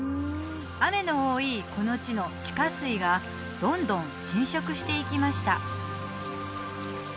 雨の多いこの地の地下水がどんどん浸食していきました